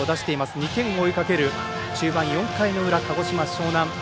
２点を追いかける中盤、４回の裏鹿児島、樟南高校。